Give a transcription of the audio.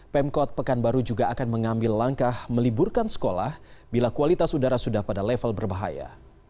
pemkot pekanbaru juga akan mengambil langkah meliburkan sekolah bila kualitas udara sudah pada level berbahaya